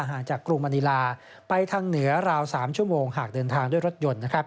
ห่างจากกรุงมณีลาไปทางเหนือราว๓ชั่วโมงหากเดินทางด้วยรถยนต์